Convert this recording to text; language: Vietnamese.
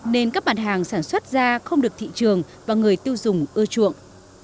nên các bản hàng sản xuất ra không được thị trường và người tiêu dùng ưa chuộng